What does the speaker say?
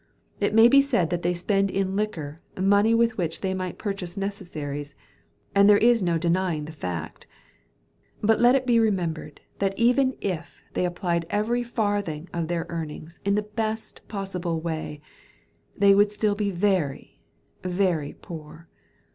It may be said that they spend in liquor, money with which they might purchase necessaries, and there is no denying the fact; but let it be remembered that even if they applied every farthing of their earnings in the best possible way, they would still be very—very poor.